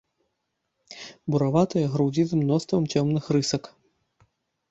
Бураватыя грудзі з мноствам цёмных рысак.